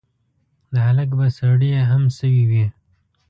د هلک به سړې هم شوي وي.